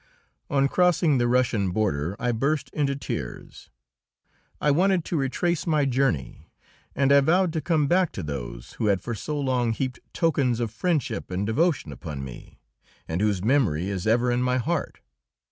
On crossing the Russian border I burst into tears. I wanted to retrace my journey, and I vowed I would come back to those who had for so long heaped tokens of friendship and devotion upon me, and whose memory is ever in my heart.